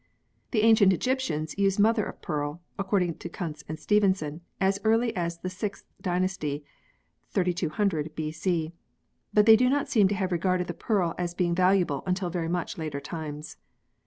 The ancient Egyptians used mother of pearl, according to Kunz and Stevenson, as early as tl.e 6th dynasty 3200 B.C., but they do not seem to have regarded the pearl as being valuable until very much later times.